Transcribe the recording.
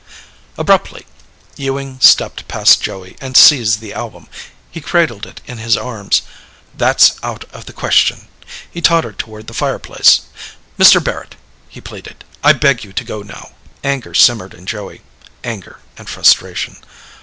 Abruptly, Ewing stepped past Joey and seized the album. He cradled it in his arms. "That's out of the question." He tottered toward the fireplace. "Mr. Barrett," he pleaded, "I beg you to go now." Anger simmered in Joey anger and frustration.